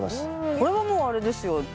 これはもうあれですよ。